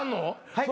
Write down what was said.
はい？